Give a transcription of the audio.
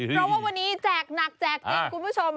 เพราะว่าวันนี้แจกหนักแจกจริงคุณผู้ชม